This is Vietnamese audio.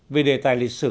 về đề tài lịch sử